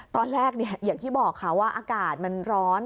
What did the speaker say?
ตอนแรกอย่างที่บอกค่ะว่าอากาศมันร้อน